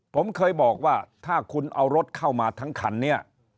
ผมเคยบอกว่าถ้าคุณเอารถเข้ามาทั้งคันนี้